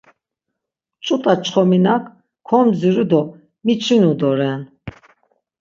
Ç̌ut̆a çxominak komdziru do miçinu doren.